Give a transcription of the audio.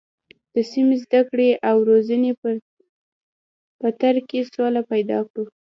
د سمې زده کړې او روزنې په تر کې سوله پیدا کړو.